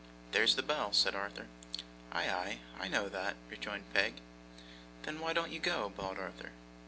'There's the bell,' said Arthur. 'Ay, ay; I know that,' rejoined Peg. 'Then why don't you go?' bawled Arthur.